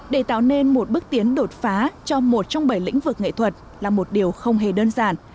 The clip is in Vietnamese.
để tạo nên một bước tiến đột phá cho một trong bảy lĩnh vực nghệ thuật là một điều không hề đơn giản